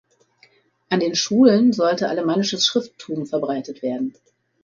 An den Schulen sollte alemannisches Schrifttum verbreitet werden.